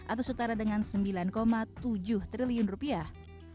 atau setara dengan sembilan tujuh triliun rupiah